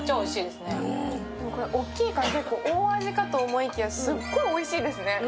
これおっきいから結構、大味かと思いきや、すっごいおいしいですよね。